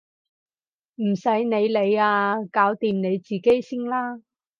唔使你理啊！搞掂你自己先啦！